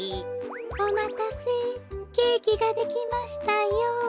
おまたせケーキができましたよ。